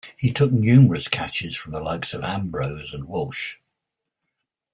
He took numerous catches from the likes of Ambrose and Walsh.